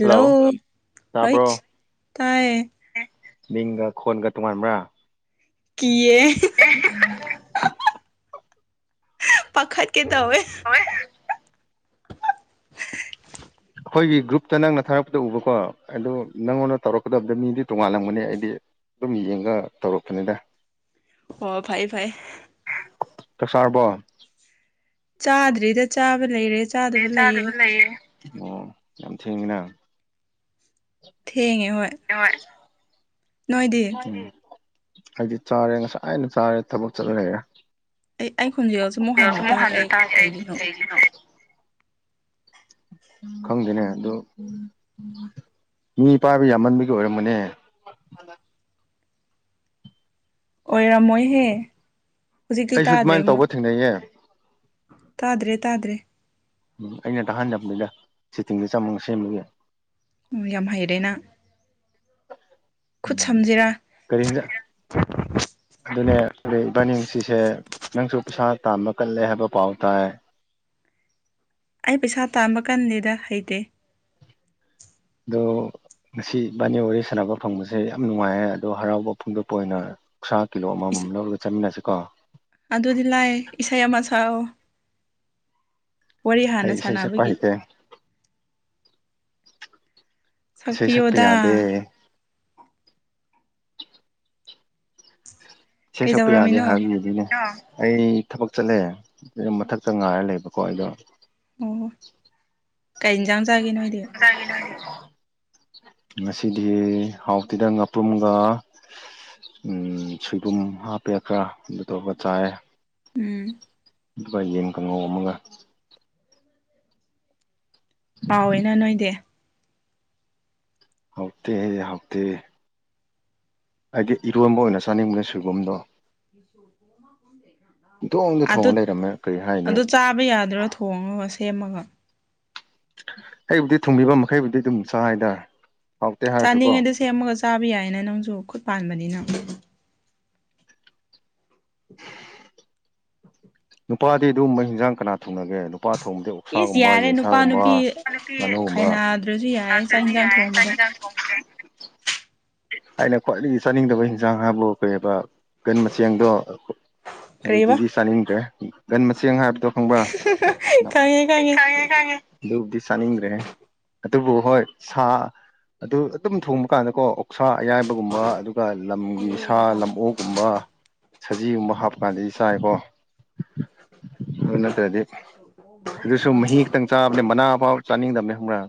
hello ꯍꯣꯏ ꯇꯥꯕ꯭ꯔꯣ ꯇꯥꯏꯌꯦ ꯃꯤꯡꯒ ꯈꯣꯟꯒ ꯇꯣꯉꯥꯟꯕ꯭ꯔꯥ ꯀꯤꯌꯦ ꯄꯥꯈꯠ ꯀꯦ ꯇꯧꯋꯦ [unintelligible] ꯑꯈꯣꯏꯒꯤ ꯒ꯭ꯔꯨꯞꯇ ꯅꯪꯅ ꯊꯥꯔꯛꯄꯗꯣ ꯎꯕꯀꯣ ꯑꯗꯨ ꯅꯪꯉꯣꯟꯗ ꯇꯧꯔꯛꯀꯗꯕꯗ ꯃꯤꯗꯤ ꯇꯣꯉꯥꯜꯂꯝꯒꯅꯤ ꯑꯩꯗꯤ ꯑꯗꯨꯝ ꯌꯦꯡꯒ ꯇꯧꯔꯛꯄꯅꯦꯗ ꯑꯣ ꯐꯩ ꯐꯩ ꯆꯛ ꯆꯥꯔꯕꫭ ꯆꯥꯗ꯭ꯔꯤꯗ ꯆꯥꯕ ꯂꯩꯔꯦ ꯑꯦ ꯆꯥꯗꯕ ꯂꯩꯔꯦ ꯑꯣ ꯌꯥꯝ ꯊꯦꯡꯉꯤꯅ ꯍꯣꯏ ꯅꯣꯏꯗꯤ ꯅꫭꯏꯗꯤ ꯑꯩꯗꯤ ꯆꯥꯔꯦ ꯉꯁꯥꯏꯅ ꯆꯥꯔꯦ ꯊꯕꯛ ꯆꯠꯂ ꯂꯩꯔꯦ ꯑꯩ ꯑꯩ ꯈꯣꯟꯖꯦꯜꯁꯨ ꯑꯃꯨꯛ ꯍꯟꯅ ꯇꯥꯏ [unintelligible] ꯑꯩ ꯇꯥꯗꯦ ꯀꯩꯒꯤꯅꯣ ꯀꯩꯒꯤꯅꫭ ꯈꯪꯗꯦꯅꯦ ꯑꯗꯣ ꯃꯤ ꯄꯥꯏꯕ ꯌꯥꯝꯃꯟꯕꯒꯤ ꯑꯣꯏꯔꯝꯒꯅꯦ ꯑꯣꯏꯔꯝꯃꯣꯏꯍꯦ ꯍꯨꯖꯤꯛꯇꯤ ꯇꯥꯗ꯭ꯔꯦ ꯑꯃꯨꯛ ꯂꯩꯌꯦ ꯇꯥꯗ꯭ꯔꯦ ꯇꯥꯗ꯭ꯔꯦ ꯑꯩꯅ ꯇꯥꯍꯟꯗꯝꯅꯤꯗ ꯁꯦꯇꯤꯡꯗ ꯆꯝꯃꯒ ꯁꯦꯝꯕꯒꯤ ꯎꯝ ꯌꯥꯝ ꯍꯩꯔꯦ ꯅꯪ ꯈꯨꯠ ꯎꯝ ꯁꯝꯖꯤꯔ ꯀꯔꯤ ꯍꯤꯟꯖꯥꯡ ꯑꯗꯨꯅꯦ [unintelligible] ꯏꯕꯥꯅꯤ ꯉꯁꯤꯁꯦ ꯅꯪꯁꯨ ꯄꯩꯁꯥ ꯇꯥꯟꯕ ꯀꯜꯂꯦ ꯍꯥꯏꯕ ꯄꯥꯎ ꯇꯥꯏ ꯑꯩ ꯄꯩꯁꯥ ꯇꯥꯟꯕ ꯀꯟꯗꯦꯗ ꯍꯩꯇꯦ ꯑꯗꯣ ꯉꯁꯤ ꯏꯕꯥꯅꯤ ꯋꯥꯔꯤ ꯁꯥꯟꯅꯕ ꯐꯪꯕꯁꯦ ꯌꯥꯝ ꯅꯨꯡꯉꯥꯏ ꯑꯗꯣ ꯍꯔꯥꯎꯕ ꯐꯣꯡꯗꯣꯛꯄ ꯑꯣꯏꯅ ꯑꯣꯛꯁꯥ ꯀꯤꯂꯣ ꯑꯃꯃꯝ ꯏꯁ ꯂꯧꯔꯒ ꯆꯥꯃꯤꯟꯅꯁꯤꯀꯣ ꯑꯗꯨꯗꯤ ꯂꯥꯏ ꯏꯁꯩ ꯑꯃ ꯁꯛꯑꯣ ꯋꯥꯔꯤ ꯑꯩ ꯍꯥꯟꯅ ꯏꯁꯩ ꯁꯛꯄ ꯁꯥꯟꯅꯕꯒꯤ ꯍꯩꯇꯦ ꯏꯁꯩ ꯁꯛꯄ ꯁꯛꯄꯤꯌꯣꯗ ꯌꯥꯗꯦ ꯏꯁꯩ ꯁꯛꯄ ꯌꯥꯗꯦ ꯀꯩꯗꯧꯔꯝꯃꯤꯅꯣ ꯍꯥꯏꯕ [unintelligible] ꯑꯩ ꯊꯕꯛ ꯆꯠꯂꯦ ꯌꯨꯝ ꯃꯊꯛꯇ ꯉꯥꯏꯔ ꯂꯩꯕꯀꯣ ꯑꯩꯗꯣ ꯑꯣ ꯀꯩ ꯏꯟꯖꯥꯡ ꯆꯥꯒꯦ ꯅꯣꯏꯗꯤ ꯉꯁꯤꯗꯤ ꯍꯥꯎꯇꯦꯗ ꯉꯥꯄ꯭ꯔꯨꯝꯒ ꯑꯝ ꯁꯣꯏꯕꯨꯝ ꯍꯥꯞꯄꯦ ꯈꯔ ꯑꯗꯨꯗꯨꯒ ꯆꯥꯏꯌꯦ ꯎꯝ [unintelligible] ꯌꯦꯟ ꯀꯥꯡꯉꯧ ꯑꯃꯒ ꯍꯥꯎꯋꯤꯅ ꯅꯣꯏꯗꯤ ꯍꯥꯎꯇꯦ ꯑꯩ ꯍꯥꯎꯇꯦ ꯑꯩꯗꯤ ꯏꯔꯣꯟꯕ ꯑꯣꯏꯅ ꯆꯥꯅꯤꯡꯕꯅꯦ ꯁꯣꯏꯕꯨꯝꯗꯣ ꯏꯇꯣꯡꯗ ꯊꯣꯡꯉ ꯑꯗꯨꯠ ꯂꯩꯔꯝꯃꯦ ꯀꯔꯤ ꯍꯥꯏꯅꯤ ꯑꯗꯨ ꯆꯥꯕ ꯌꯥꯗ꯭ꯔꯣ ꯊꯣꯡꯉꯒ ꯁꯦꯝꯃꯒ ꯑꯩꯕꯨꯗꯤ ꯊꯨꯡꯕꯤꯕ ꯃꯈꯩꯕꯨꯗꯤ ꯑꯗꯨꯝ ꯆꯥꯏꯗ ꯍꯥꯎꯇꯦ ꯍꯥꯏꯔꯁꯨꯀꯣ ꯆꯥꯅꯤꯡꯉꯗꯤ ꯁꯦꯝꯃꯒ ꯆꯥꯕ ꯌꯥꯏꯅꯦ ꯅꯪꯖꯨ ꯈꯨꯠ ꯄꯥꯟꯕꯅꯤꯅ ꯅꯨꯄꯥꯗꯤ ꯑꯗꯨꯝꯕ ꯏꯟꯖꯥꯡ ꯀꯅꯥ ꯊꫭꯡꯅꯒꯦ ꯑꯗꯨ ꯅꯨꯄꯥ ꯊꯣꯡꯕꯗꯤ ꯏꯁ ꯑꯣꯛꯁꯥꯒꯨꯝꯕ ꯌꯥꯔꯦ ꯅꯨꯄꯥ ꯌꯦꯟꯁꯥꯒꯨꯝꯕ ꯅꯨꯄꯤ ꯉꯥꯅꯨꯒꯨꯝꯕ ꯈꯥꯏꯅꯗ꯭ꯔꯁꯨ ꯌꯥꯔꯦ ꯆꯥꯛ ꯌꯦꯟꯁꯥꯡ ꯊꯣꯡꯕꯗ [unintelligible] [unintelligible] ꯑꯩꯅ ꯈ꯭ꯋꯥꯏꯗꯒꯤ ꯆꯥꯅꯤꯡꯗꯕ ꯍꯤꯟꯖꯥꯡ ꯍꯥꯏꯕꯕꯨ ꯀꯩꯕ [unintelligible] ꯃꯆꯦꯡꯗꯣ ꯀꯔꯤꯕ ꯑꯗꯨꯗꯒꯤ ꯆꯥꯅꯤꯡꯗ꯭ꯔꯦ [unintelligible] ꯃꯆꯦꯡ ꯍꯥꯏꯕꯗꯣ ꯈꯪꯕ꯭ꯔ ꯈꯪꯉꯦ ꯈꯪꯉꯦ ꯑꯗꯨꯕꯨꯗꯤ ꯆꯥꯅꯤꯡꯗ꯭ꯔꯦ ꯑꯗꯨꯕꯨ ꯍꯣꯏ ꯁꯥ ꯑꯗꯨ ꯑꯗꯨꯝ ꯊꯣꯡꯕ ꯀꯥꯟꯗꯀꯣ ꯑꫭꯛꯁꯥ ꯑꯌꯥꯏꯕꯒꯨꯝꯕ ꯑꯗꯨꯒ ꯂꯝꯒꯤ ꯁꯥ ꯂꯝꯑꯣꯛ ꯒꯨꯝꯕ ꯁꯖꯤꯒꯨꯝꯕ ꯍꯥꯠꯄꯀꯥꯟꯗꯗꯤ ꯆꯥꯏꯀꯣ ꯑꯗꯨ ꯅꯠꯇ꯭ꯔꯗꯤ ꯑꯗꯨꯁꯨ ꯃꯍꯤ ꯈꯛꯇꯪ ꯆꯥꯕꯅꯦ ꯃꯅꯥ ꯐꯥꯎ ꯆꯥꯅꯤꯡꯗꯝꯅꯦ ꯈꯪꯕ꯭ꯔ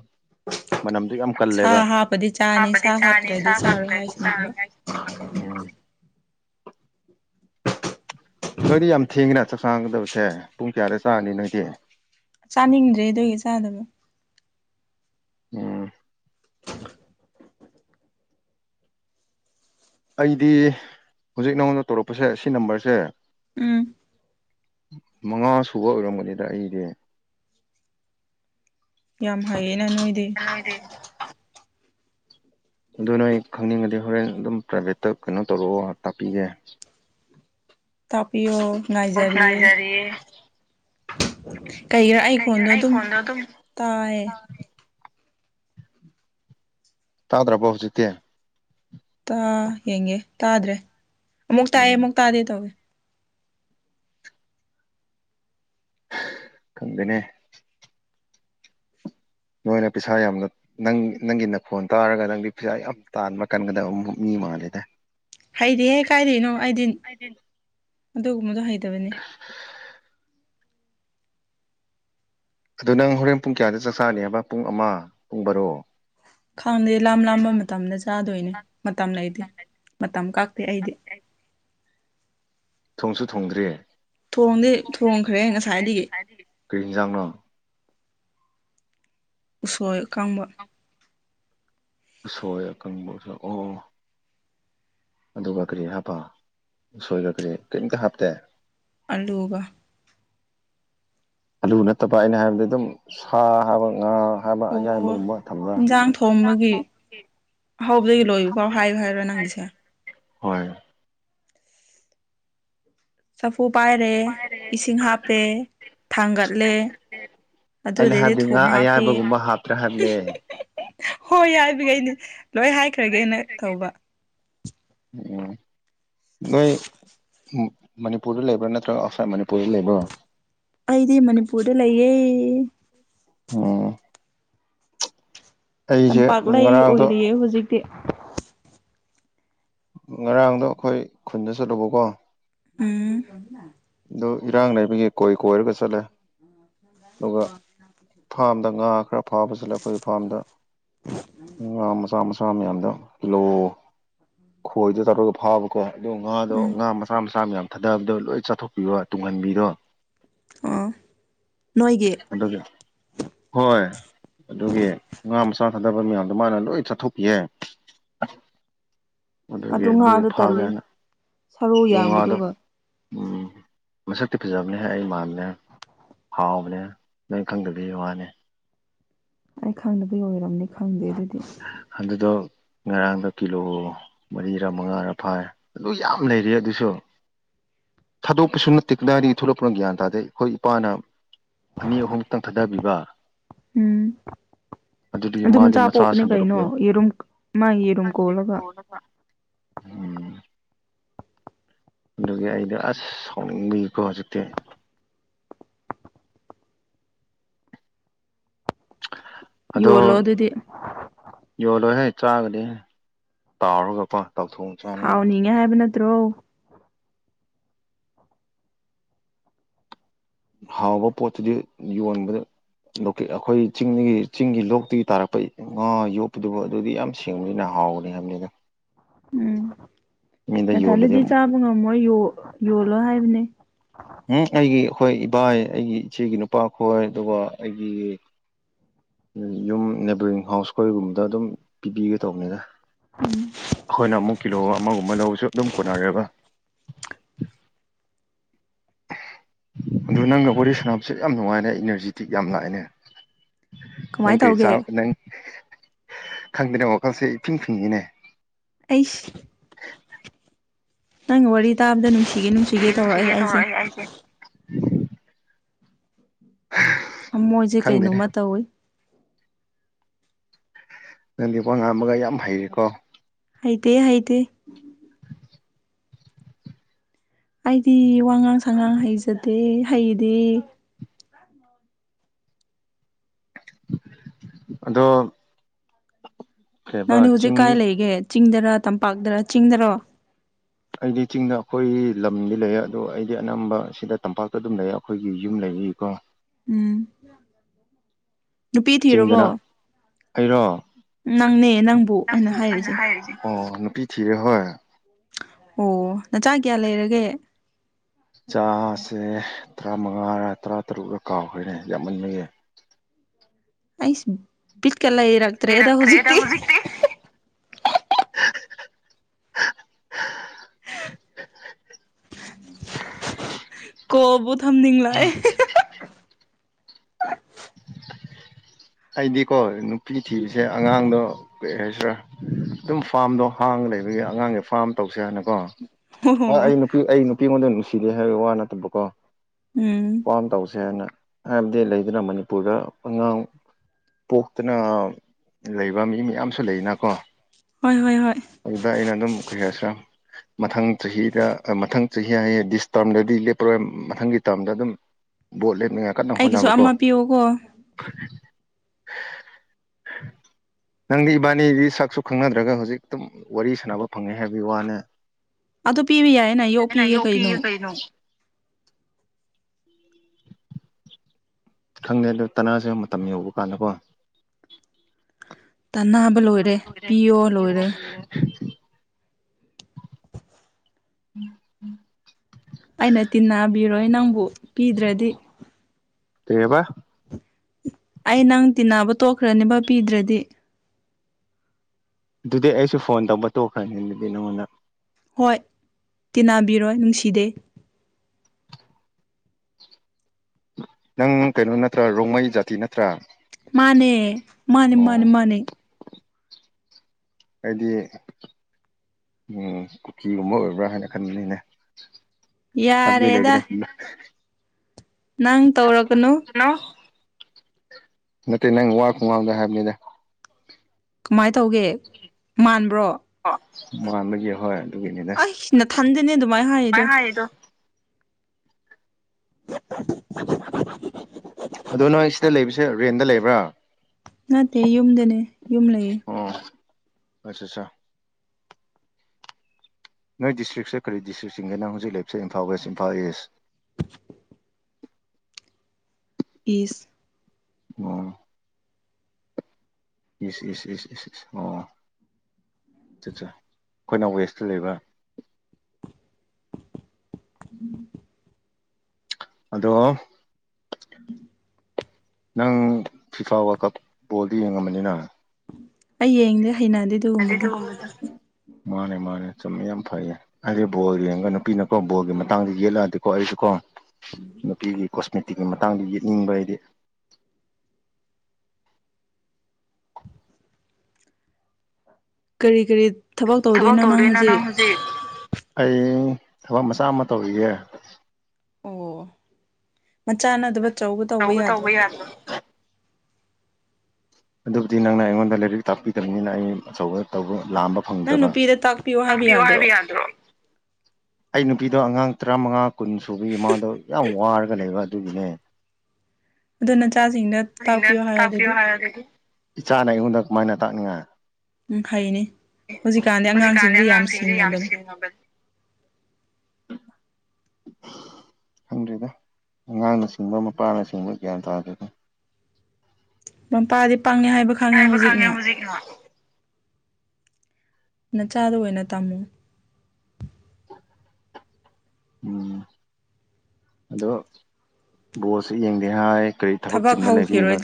ꯃꯅꯝꯗꫭ ꯌꯥꯝ ꯀꯜꯂꯦꯕ ꯁꯥ ꯍꯥꯞꯄꯗꯤ ꯆꯥꯅꯤ ꯍꯥꯞꯄꯗꯤ ꯁꯥ ꯆꯥꯅꯤ ꯁꯥ ꯍꯥꯞꯇ꯭ꯔꯗꯤ ꯆꯥꯔꯣꯏ ꯍꯥꯞꯇ꯭ꯔꯗꯤ ꯍꯥꯏꯁꯤꯅꯦꯕ ꯆꯥꯔꯣꯏ ꯍꯥꯏ ꯎꯝ ꯅꯣꯏꯗꯤ ꯌꯥꯝ ꯊꯦꯡꯉꯤꯅ ꯆꯥꯛ ꯆꯥꯒꯗꯕꯁꯦ ꯄꯨꯡ ꯀꯌꯥꯗ ꯆꯥꯒꯅꯤ ꯅꯣꯏꯗꯤ ꯆꯥꯅꯤꯡꯗ꯭ꯔꯤ ꯑꯗꯨꯏ ꯆꯥꯗꯕ ꯎꯝ ꯑꯩꯗꯤ ꯍꯧꯖꯤꯛ ꯅꯉꯣꯟꯗ ꯇꯧꯔꯛꯄꯁꯦ ꯁꯤ ꯅꯝꯕꯔꯁꯦ ꯎꯝ ꯃꯉꯥ ꯁꯨꯕ ꯑꯣꯏꯔꯝꯒꯅꯤꯗ ꯑꯩꯗꯤ ꯌꯥꯝ ꯍꯩꯌꯦꯅ ꯅꯣꯏꯗꯤ ꯅꯣꯏꯗꯤ ꯑꯗꯨ ꯅꯣꯏ ꯈꯪꯅꯤꯡꯉꯗꯤ ꯍꯣꯔꯦꯟ ꯑꯗꯨꯝ ꯄ꯭ꯔꯥꯏꯕꯦꯠꯇ ꯀꯩꯅꯣ ꯇꯧꯔꯛꯑꯣ ꯇꯥꯛꯄꯤꯒꯦ ꯇꯥꯛꯄꯤꯌꯣ ꯉꯥꯏꯖꯔꯤꯌꯦ ꯀꯩꯒꯤꯔ ꯑꯩꯒꯤ ꯈꯣꯟꯗꯣ ꯑꯗꯨꯝ ꯇꯥꯏꯌꯦ ꯇꯥꯗ꯭ꯔꯕꯣ ꯍꯧꯖꯤꯛꯇꯤ ꯇꯥ ꯌꯦꯡꯒꯦ ꯇꯥꯗ꯭ꯔꯦ ꯑꯃꯨꯛ ꯇꯥꯏ ꯎꯝ ꯑꯃꯨꯛ ꯇꯥꯗꯦ ꯇꯧꯋꯦ ꯈꯪꯗꯦꯅꯦ ꯅꯣꯏꯅ ꯄꯩꯁꯥ ꯌꯥꯝꯅ ꯅꯪ ꯅꯪꯒꯤ ꯅꯈꯣꯟ ꯇꯥꯔꯒ ꯅꯪꯗꯤ ꯄꯩꯁꯥ ꯌꯥꯝ ꯇꯥꯟꯕ ꯀꯥꯟꯒꯗꯕ ꯃꯤ ꯃꯥꯜꯂꯦꯗ ꯍꯩꯗꯤꯍꯦ ꯀꯥꯏꯗꯩꯅꯣ ꯑꯩꯗꯤ ꯑꯗꯨꯒꯨꯝꯕꯗꯣ ꯍꯩꯇꯕꯅꯦ [inaudible] ꯑꯗꯨ ꯅꯪ ꯍꯣꯔꯦꯟ ꯄꯨꯡ ꯀꯌꯥꯗ ꯆꯥꯛ ꯆꯥꯅꯤꯕ ꯄꯨꯡ ꯑꯃ ꯄꯨꯡ ꯕꯥꯔꯣ ꯈꯥꯡꯗꯦ ꯂꯥꯝ ꯂꯥꯝꯕ ꯃꯇꯝꯗ ꯆꯥꯗꯣꯏꯅꯦ ꯃꯇꯝ ꯂꯩꯇꯦ ꯃꯇꯝ ꯀꯥꯛꯇꯦ ꯑꯩꯗꯤ ꯊꯣꯡꯁꯨ ꯊꯣꯡꯗ꯭ꯔꯤ ꯊꯣꯡꯗꯤ ꯊꯣꯡꯈ꯭ꯔꯦ ꯉꯁꯥꯏꯗꯒꯤ ꯀꯔꯤ ꯏꯪꯖꯥꯡꯅꯣ ꯎꯁꯣꯏ ꯑꯀꯪꯕ ꯎꯁꯣꯏ ꯑꯀꯪꯕꯁꯨ ꯎꯁꯣꯏ ꯑꯣ ꯑꯣ ꯑꯗꯨꯒ ꯀꯔꯤ ꯍꯥꯞꯄ ꯎꯁꯣꯏꯒ ꯀꯔꯤ ꯀꯔꯤꯝꯇ ꯍꯥꯞꯇꯦ ꯑꯂꯨꯕ ꯑꯂꯨ ꯅꯠꯇꯕ ꯑꯩꯅ ꯍꯥꯏꯕꯗꯤ ꯑꯗꯨꯝ ꯁꯥ ꯍꯥꯏꯕ ꯉꯥ ꯍꯥꯏꯕ ꯑꯣ ꯑꯌꯥꯏꯕꯒꯨꯝꯕ ꯊꯝꯕ꯭ꯔ [unintelligible] ꯍꯧꯕꯗꯒꯤ ꯂꯣꯏꯕ ꯐꯥꯎ ꯍꯥꯏꯌꯨ ꯍꯥꯏꯔꯣ ꯅꯪꯒꯤꯁꯦ ꯍꯣꯏ ꯆꯐꯨ ꯄꯥꯏꯔꯦ ꯏꯁꯤꯡ ꯍꯥꯞꯄꯦ ꯊꯥꯡꯒꯠꯂꯦ ꯑꯩꯅ ꯑꯗꯨꯗꯩꯗꯤ ꯍꯥꯏꯕꯗꯤ ꯉꯥ ꯊꯨꯝ ꯍꯥꯞꯄꯤ ꯑꯌꯥꯏꯕꯒꯨꯝꯕ ꯍꯥꯞꯇ꯭ꯔꯥ ꯍꯤꯍꯤ ꯍꯥꯏꯕꯅꯦ ꯍꯤ ꯍꯤ ꯍꯣꯏ ꯍꯥꯏꯕꯒꯤ ꯂꯣꯏ ꯍꯥꯏꯈ꯭ꯔꯒꯦꯅ ꯇꯧꯕ ꯎꯝ ꯅꯣꯏ ꯃ ꯃꯅꯤꯄꯨꯔꯗ ꯂꯩꯕ꯭ꯔꯥ ꯅꯠꯇ꯭ꯔꯒ ꯑꯥꯎꯠꯁꯥꯏꯠ ꯃꯅꯤꯄꯨꯔꯗ ꯂꯩꯕ꯭ꯔꯣ ꯑꯩꯗꯤ ꯃꯅꯤꯄꯨꯔꯗ ꯂꯩꯌꯦ ꯑꯣ ꯑꯩꯁꯦ ꯇꯝꯄꯥꯛꯂꯩ ꯉꯔꯥꯡꯗꯣ ꯑꯣꯏꯔꯤꯌꯦ ꯍꯧꯖꯤꯛꯇꯤ ꯉꯔꯥꯡꯗꯣ ꯑꯩꯈꯣꯏ ꯈꯨꯟꯗ ꯆꯠꯂꯨꯕꯀꯣ ꯎꯨꯝ ꯑꯗꯣ ꯏꯔꯥꯡ ꯂꯩꯕꯒꯤ ꯀꯣꯏ ꯀꯣꯏꯔꯒ ꯆꯠꯂꯦ ꯗꯨꯒ ꯐꯥꯝꯗ ꯉꯥ ꯈꯔ ꯐꯥꯕ ꯆꯠꯂꯦ ꯑꯩꯈꯣꯏ ꯐꯥꯝꯗ ꯉꯥ ꯃꯆꯥ ꯃꯆꯥ ꯃꯌꯥꯝꯗꯣ ꯀꯤꯂꯣ ꯈꯣꯏꯗ ꯇꯧꯔꯒ ꯐꯥꯕꯀꯣ ꯑꯗꯣ ꯉꯥꯗꯣ ꯎꯝ ꯉꯥ ꯃꯆꯥ ꯃꯆꯥ ꯃꯌꯥꯝ ꯊꯥꯗꯕꯗꯣ ꯂꯣꯏ ꯆꯥꯊꯣꯛꯄꯩ ꯇꯨꯡꯍꯟꯕꯤꯔꯣ ꯑꯣ ꯅꯣꯏꯒꯤ ꯑꯗꯨꯒꯤ ꯍꯣꯏ ꯑꯗꯨꯒꯤ ꯉꯥ ꯃꯆꯥ ꯊꯥꯗꯕ ꯃꯌꯥꯝꯗꯣ ꯃꯥꯅ ꯂꯣꯏ ꯆꯠꯊꯣꯛꯄꯤꯌꯦ ꯑꯗꯨꯒꯤ ꯑꯗꯨ ꯉꯥꯗꯣ ꯐꯥꯒꯦ ꯇꯜꯂꯤ ꯍꯥꯢꯅ ꯁꯔꯨ ꯑꯗꯨ ꯉꯥꯗꯣ ꯌꯥꯝꯕꯗꯨꯒ ꯎꯝ ꯃꯁꯛꯇꯤ ꯐꯖꯕꯅꯦ ꯍꯥꯏ ꯑꯩ ꯃꯥꯟꯕꯅꯦ ꯍꯥꯎꯕꯅꯦ ꯅꯣꯏ ꯈꯪꯗꯕꯒꯤ ꯋꯥꯅꯦ ꯑꯩ ꯈꯪꯗꯕꯒꯤ ꯑꯣꯏꯔꯝꯅꯤ ꯈꯪꯗꯦ ꯑꯗꯨꯗꯤ ꯑꯗꯨꯗꯣ ꯉꯔꯥꯡꯗꯣ ꯀꯤꯂꯣ ꯃꯔꯤꯔꯥ ꯃꯉꯥꯔꯥ ꯐꯥꯏ ꯑꯗꯨ ꯌꯥꯝ ꯂꯩꯔꯤꯌꯦ ꯑꯗꯨꯁꯨ ꯊꯥꯗꯣꯛꯄꯁꯨ ꯅꯠꯇꯦ ꯀꯗꯥꯢꯗꯒꯤ ꯊꯣꯛꯂꯛꯄꯅꯣ ꯒ꯭ꯌꯥꯟ ꯇꯥꯗꯦ ꯑꯩꯈꯣꯏ ꯏꯄꯥꯅ ꯑꯅꯤ ꯑꯍꯨꯝꯃꯨꯛꯇꯪ ꯊꯥꯗꯕꯤꯕ ꯎꯝ ꯑꯗꯨꯗꯒꯤ ꯑꯗꯨ ꯃꯥꯗꯤ ꯃꯆꯥ ꯄꯣꯛ ꯅꯤ ꯀꯩꯅꯣ ꯁꯟꯗꯣꯔꯛꯄꯗꯣ ꯌꯦꯔꯨꯝ ꯃꯥ ꯌꯦꯔꯨꯝ ꯀꯣꯜꯂꯒ ꯎꯝ ꯑꯗꯨꯒꯤ ꯑꯩꯗꯣ ꯑꯁ ꯁꯥꯎꯅꯤꯡꯕꯤꯀꯣ ꯍꯧꯖꯤꯛꯇꯤ ꯑꯗꯣ ꯌꯣꯜꯂꯣ ꯑꯗꯨꯗꯤ ꯌꯣꯜꯂꯣꯏꯍꯦ ꯆꯥꯒꯗꯤ ꯇꯥꯎꯔꯒꯀꯣ ꯇꯥꯎꯊꯣꯛꯑꯒ ꯍꯥꯎꯅꯤꯡꯉꯦ ꯍꯥꯏꯕ ꯅꯠꯇ꯭ꯔꯣ ꯍꯥꯎꯕ ꯄꯣꯠꯇꯨꯗꯤ ꯌꯣꯟꯕꯗ ꯑꯩꯈꯣꯏ ꯆꯤꯡꯗꯒꯤ ꯆꯤꯡꯒꯤ ꯂꯣꯛꯇꯒꯤ ꯇꯥꯔꯛꯄ ꯑꯥ ꯌꯣꯛꯄꯗꯨꯕꯨ ꯑꯗꯨꯗꯤ ꯌꯥꯝ ꯁꯦꯡꯕꯅꯤꯅ ꯍꯥꯎꯅꯤ ꯍꯥꯏꯕꯅꯤꯗ ꯎꯝ ꯃꯤꯗ ꯌꯣꯜꯂꯗꯤ ꯅꯊꯟꯗꯗꯤ ꯑꯃꯨꯛ ꯆꯥꯕ ꯉꯝꯃꯣꯏ ꯌꯣꯜꯂꯣ ꯍꯥꯏꯕꯅꯦ ꯎꯝ ꯑꯩꯒꯤ ꯑꯩꯈꯣꯏ ꯏꯕꯥꯏ ꯑꯩꯒꯤ ꯏꯆꯦꯒꯤ ꯅꯨꯄꯥ ꯈꯣꯏ ꯑꯗꯨꯒ ꯑꯩꯒꯤ ꯌꯨꯝ ꯅꯦꯕꯔꯤꯡ ꯍꯥꯎꯁ ꯈꯣꯏꯒꯨꯝꯕꯗ ꯑꯗꯨꯝ ꯄꯤꯕꯤꯒꯦ ꯇꯧꯕꯅꯤꯗ ꯎꯝ ꯑꯩꯈꯣꯏꯅ ꯑꯃꯨꯛ ꯀꯤꯂꯣ ꯑꯃꯒꯨꯝꯕ ꯂꯧꯕꯁꯨ ꯑꯗꯨꯝ ꯀꯣꯟꯅꯔꯦꯕ ꯑꯗꯨ ꯅꯪꯒ ꯋꯥꯔꯤ ꯁꯥꯟꯅꯕꯁꯦ ꯌꯥꯝ ꯅꯨꯡꯉꯥꯏꯅꯦ ꯏꯅꯔꯖꯤꯇꯤꯛ ꯌꯥꯝ ꯂꯥꯛꯑꯦꯅꯦ ꯅꯪ ꯀꯃꯥꯏꯅ ꯀꯩ ꯇꯧꯒꯦ ꯆꯥ ꯅꯪ ꯈꯪꯗꯦꯅꯦ ꯋꯥꯈꯜꯁꯦ ꯏꯐꯤꯡ ꯐꯤꯡꯉꯤꯅꯦ ꯑꯩꯁ ꯅꯪ ꯋꯥꯔꯤ ꯇꯥꯕꯗ ꯅꯨꯡꯁꯤꯒꯦ ꯅꯨꯡꯁꯤꯒꯦ ꯇꯧꯔꯛꯑꯦ ꯑꯩꯁꯦ ꯊꯃꯣꯏꯖꯦ ꯈꯪꯗꯦꯅꯦ ꯀꯩꯅꯣꯝꯃ ꯇꯧꯋꯤ ꯅꯪꯗꯤ ꯋꯥ ꯉꯥꯡꯕꯒ ꯌꯥꯝ ꯍꯩꯔꯦꯀꯣ ꯍꯩꯇꯦ ꯍꯩꯇꯦ ꯑꯩꯗꯤ ꯋꯥꯉꯥꯡ ꯁꯉꯥꯡ ꯍꯩꯖꯗꯦ ꯍꯩꯗꯦ ꯑꯗꯣ ꯀꯩꯕ ꯅꯪꯗꯤ ꯍꯧꯖꯤꯛ ꯀꯥꯏ ꯆꯤꯡꯗꯤ ꯂꯩꯒꯦ ꯆꯤꯡꯗꯔ ꯇꯝꯄꯥꯛꯇꯔ ꯆꯤꯡꯗꯔꯣ ꯑꯩꯗꯤ ꯆꯤꯡꯗ ꯑꯩꯈꯣꯏꯒꯤ ꯂꯝꯗꯤ ꯂꯩꯌꯦ ꯑꯗꯣ ꯑꯩꯗꯤ ꯑꯅꯝꯕ ꯁꯤꯗ ꯇꯝꯄꯥꯛꯇ ꯑꯗꯨꯝ ꯂꯩꯌꯦ ꯑꯩꯈꯣꯏꯒꯤ ꯌꯨꯝ ꯂꯩꯕꯒꯤꯀꯣ ꯎꯝ ꯅꯨꯄꯤ ꯊꯤꯔꯕꯣ ꯆꯤꯡꯗꯅ ꯑꯩꯔꯣ ꯅꯪꯕꯨ ꯑꯩꯅ ꯍꯥꯏꯔꯤꯁꯦ ꯑꯥ ꯅꯨꯄꯤ ꯊꯤꯔꯦ ꯍꯣꯏ ꯑꯣ ꯅꯆꯥ ꯀꯌꯥ ꯂꯩꯔꯒꯦ ꯏꯆꯥꯁꯦ ꯇꯔꯥꯃꯉꯥꯔ ꯇꯔꯥ ꯇꯔꯨꯛꯔ ꯀꯥꯎꯈ꯭ꯔꯦꯅꯦ ꯌꯥꯝꯃꯟꯕꯒꯤ ꯑꯩꯁ ꯕꯤꯠꯀ ꯂꯩꯔꯛꯇ꯭ꯔꯦꯗ ꯍꯧꯖꯤꯛꯇꯤ ꯀꯣꯜꯕꯨ ꯊꯝꯅꯤꯡꯂꯛꯑꯦ ꯑꯩꯗꯤꯀꯣ ꯅꯨꯄꯤ ꯊꯤꯕꯖꯦ ꯑꯉꯥꯡꯗꯣ ꯀꯩ ꯍꯥꯏꯁꯤꯔꯥ ꯑꯗꯨꯝ ꯐꯥꯔꯝꯗꯣ ꯍꯥꯡꯉ ꯂꯩꯕꯒꯤ ꯑꯉꯥꯡꯒꯤ ꯐꯥꯔꯝ ꯇꯧꯁꯦ ꯍꯥꯏꯅꯀꯣ ꯑꯣ ꯍꯣꯏ ꯑꯩ ꯅꯨꯄꯤ ꯑꯩ ꯅꯨꯄꯤ ꯉꯣꯟꯗ ꯅꯨꯡꯁꯤꯗꯦ ꯍꯥꯏꯕꯒꯤ ꯋꯥ ꯅꯠꯇꯕꯀꯣ ꯎꯝ ꯐꯥꯔꯝ ꯇꯧꯁꯦ ꯍꯥꯏꯅ ꯍꯥꯏꯕꯗꯤ ꯂꯩꯗꯅ ꯃꯅꯤꯄꯨꯔꯗ ꯑꯉꯥꯡ ꯄꯣꯛꯇꯅ ꯂꯩꯕ ꯃꯤ ꯃꯌꯥꯝꯁꯨ ꯂꯩꯅꯀꯣ ꯍꯣꯏ ꯍꯣꯏ ꯍꯣꯏ ꯑꯗꯨꯗ ꯑꯩꯅ ꯑꯗꯨꯝ ꯀꯩ ꯍꯥꯏꯁꯤꯔ ꯃꯊꯪ ꯆꯍꯤꯗ ꯃꯊꯪ ꯆꯍꯤ ꯍꯥꯏꯌꯦ ꯗꯤꯁ ꯇꯥꯔꯝꯗꯗꯤ ꯂꯦꯞꯄꯔꯣꯏ ꯃꯊꯪꯒꯤ ꯇꯥꯔꯝꯗ ꯑꯗꯨꯝ ꯚꯣꯠ ꯂꯦꯝꯅꯤꯡꯉꯥꯏ ꯀꯟꯅ ꯑꯩꯒꯤꯁꯨ ꯍꯣꯠꯅꯕꯀꯣ ꯑꯃ ꯄꯤꯌꯣꯀꯣ [inaudible] ꯅꯪꯗꯤ ꯏꯕꯥꯅꯤꯗꯤ ꯁꯛꯁꯨ ꯈꯪꯅꯗ꯭ꯔꯒ ꯍꯧꯖꯤꯛ ꯇꯨꯝ ꯋꯥꯔꯤ ꯁꯥꯟꯅꯕ ꯐꯪꯉꯦ ꯍꯥꯏꯕꯒꯤ ꯋꯥꯅꯦ ꯑꯗꯨ ꯄꯤꯕ ꯌꯥꯏꯌꯦꯅ ꯑꯩꯅ ꯌꯣꯛꯄꯤꯒꯦ ꯀꯩꯅꯣ ꯌꯣꯛꯄꯤꯌꯦ ꯀꯩꯅꯣ ꯈꯪꯗꯦ ꯑꯗꯨ ꯇꯥꯟꯅꯁꯦ ꯃꯇꯝ ꯌꯧꯕ ꯀꯥꯟꯗꯀꯣ ꯇꯥꯟꯅꯕ ꯂꯣꯏꯔꯦ ꯄꯤꯌꯣ ꯂꯣꯏꯔꯦ ꯑꯩꯅ ꯇꯤꯟꯅꯕꯤꯔꯣꯏ ꯅꯪꯕꯨ ꯄꯤꯗ꯭ꯔꯗꯤ ꯀꯩꯑꯥꯕ ꯑꯩ ꯅꯪ ꯇꯤꯟꯅꯕ ꯇꯣꯛꯈ꯭ꯔꯅꯦꯕ ꯄꯤꯗ꯭ꯔꯗꯤ ꯑꯗꯨꯗꯤ ꯑꯩꯁꯨ ꯐꯣꯟ ꯇꯧꯕ ꯇꯣꯛꯈ꯭ꯔꯅꯤ ꯑꯗꯨꯗꯤ ꯅꯉꯣꯟꯗ ꯍꯣꯏ ꯇꯤꯟꯅꯕꯤꯔꯣꯏ ꯅꯨꯡꯁꯤꯗꯦ ꯅꯪ ꯀꯩꯅꯣ ꯅꯠꯇ꯭ꯔꯥ ꯔꯣꯡꯃꯩ ꯖꯥꯇꯤ ꯅꯠꯇ꯭ꯔꯥ ꯃꯥꯟꯅꯦ ꯃꯥꯅꯦ ꯃꯥꯅꯦ ꯑꯣ ꯃꯥꯅꯦ ꯑꯩꯗꯤ ꯎꯝ ꯀꯨꯀꯤꯒꯨꯝꯕ ꯑꯣꯏꯕ꯭ꯔꯥ ꯍꯥꯏꯅ ꯈꯟꯕꯅꯤꯅꯦ ꯌꯥꯔꯦꯗ [unintelligible] ꯅꯪ ꯇꯧꯔꯛꯀꯅꯨ ꯍꯜꯂꯣ ꯅꯠꯇꯦ ꯅꯪ ꯋꯥ ꯈꯨꯉꯥꯡꯗꯣ ꯍꯥꯏꯕꯅꯤꯗ ꯀꯃꯥꯏ ꯇꯧꯒꯦ ꯃꯥꯟꯕ꯭ꯔꯣ ꯑꯣ ꯃꯥꯟꯕꯒꯤ ꯍꯣꯏ ꯑꯗꯨꯒꯤꯅꯤꯗ ꯑꯩꯁ ꯅꯊꯟꯗꯅꯦ ꯑꯗꯨꯃꯥꯏꯅ ꯍꯥꯏꯔꯤꯗꯣ ꯍꯥꯏꯗꯣ [unintelligible] ꯑꯗꯨ ꯅꯣꯏ ꯁꯤꯗ ꯂꯩꯕ ꯁꯦ ꯔꯦꯟꯗ ꯂꯩꯕ꯭ꯔꯥ ꯅꯠꯇꯦ ꯌꯨꯝꯗꯅꯦ ꯌꯨꯝ ꯂꯩꯌꯦ ꯑꯣ ꯑꯆꯥ ꯆꯥ ꯅꯣꯏ ꯗꯤꯇ꯭ꯔꯤꯛꯁꯦ ꯀꯔꯤ ꯗꯤꯁ꯭ꯔꯤꯛ ꯆꯤꯡꯒꯦ ꯅꯪ ꯍꯧꯖꯤꯛ ꯂꯩꯕꯁꯦ ꯏꯝꯐꯥ ꯋꯦꯁ ꯏꯝꯐꯥꯜ ꯏꯁ ꯏꯁ ꯑꯣ ꯏꯁ ꯏꯁ ꯏꯁ ꯏꯁ ꯏꯁ ꯑꯣ ꯆꯆꯥ ꯑꯩꯈꯣꯏꯅ ꯋꯦꯁꯇ ꯂꯩꯕ ꯎ ꯑꯗꯣ [inaudible] ꯅꯪ ꯐꯤꯐꯥ ꯋꯥꯔꯜ ꯀꯞ ꯕꯣꯜꯗꯨ ꯌꯦꯡꯉꯝꯃꯅꯤꯅ ꯑꯩ ꯌꯦꯡꯗꯦ ꯍꯩꯅꯗꯦ ꯅꯗꯦ ꯑꯗꯨꯒꯨꯝꯕꯗꯣ ꯗꯨꯒꯨꯝꯕꯗꯣ ꯃꯥꯅꯦ ꯃꯥꯅꯦ ꯆꯨꯝꯃꯦ ꯌꯥꯝ ꯐꯩꯌꯦ ꯍꯥꯏꯗꯤ ꯕꯣꯜ ꯌꯦꯡꯉꯒ ꯅꯨꯄꯤꯅꯀꯣ ꯕꯣꯜꯒꯤ ꯃꯇꯥꯡꯗ ꯌꯦꯠꯂꯛꯑꯗꯤꯀꯣ ꯑꯩꯁꯨꯀꯣ ꯅꯨꯄꯤꯒꯤ ꯀꯣꯁꯃꯦꯇꯤꯛ ꯃꯇꯥꯡꯗ ꯌꯦꯠꯅꯤꯡꯕ ꯑꯩꯗꯤ ꯀꯔꯤ ꯀꯔꯤ ꯊꯕꯛ ꯇꯧꯗꯣꯏꯅꯣ ꯅꯪ ꯍꯧꯖꯤꯛ ꯑꯩ ꯊꯕꯛ ꯃꯆꯥ ꯑꯃ ꯇꯧꯔꯤꯒꯦ ꯑꯣ ꯃꯆꯥ ꯅꯗꯕ ꯑꯆꯧꯕ ꯇꯧꯕ ꯌꯥꯗ꯭ꯔꯣ ꯑꯗꯨꯕꯨꯗꯤ ꯅꯪꯅ ꯑꯩꯉꯣꯟꯗ ꯂꯩꯔꯤꯛ ꯇꯥꯛꯄꯤꯗꯝꯅꯤꯅ ꯑꯩ ꯑꯆꯧꯕ ꯇꯧꯕ ꯂꯥꯝꯕ ꯐꯪꯗ꯭ꯔꯕ ꯇꯥꯛꯄꯤꯌꯣ ꯍꯥꯏꯕ ꯌꯥꯗ꯭ꯔꯣ ꯑꯩ ꯅꯨꯄꯤꯗꯣ ꯑꯉꯥꯡ ꯇ꯭ꯔꯥꯃꯉꯥ ꯀꯨꯟ ꯁꯨꯕꯒꯤ ꯃꯥꯗꯣ ꯌꯥꯝ ꯋꯥꯔꯒ ꯂꯩꯕ ꯑꯗꯨꯒꯤꯅꯦ ꯑꯗꯨ ꯅꯆꯥꯁꯤꯡꯗꯣ [unintelligible] ꯏꯆꯥꯅ ꯑꯩꯉꯣꯟꯗ ꯀꯃꯥꯏꯅ ꯇꯥꯛꯅꯤꯡꯉ ꯎꯝ ꯍꯩꯅꯤ ꯍꯧꯖꯤꯛꯀꯥꯟꯗꯤ ꯑꯉꯥꯡꯁꯤꯡꯖꯦ ꯌꯥꯝ ꯁꯤꯡꯉꯕꯅꯤ [unintelligible] [inaudible] ꯈꯪꯗ꯭ꯔꯤꯗ ꯑꯉꯥꯡꯅ ꯁꯤꯡꯕ ꯃꯄꯥꯅ ꯁꯤꯡꯕ ꯒ꯭ꯌꯥꯟ ꯇꯥꯗꯦꯗ ꯃꯄꯥꯗꯤ ꯄꯪꯉꯦ ꯍꯥꯏꯕ ꯍꯥꯏꯕ ꯈꯪꯉꯦ ꯍꯧꯖꯤꯛꯅ ꯅꯆꯥꯗ ꯑꯣꯏꯅ ꯇꯝꯃꯨ ꯎꯝ ꯑꯗꯣ ꯕꯣꯜꯁꯨ ꯌꯦꯡꯗꯦ ꯍꯥꯏ ꯀꯔꯤ ꯊꯕꯛ ꯆꯤꯟꯕ ꯂꯩꯕꯤꯒꯅꯣ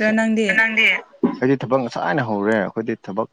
ꯅꯪꯗꯤ ꯑꯩꯗꯤ ꯊꯕꯛ ꯉꯁꯥꯏꯅ ꯍꯧꯔꯦ ꯑꯈꯣꯏꯗꯤ ꯊꯕꯛ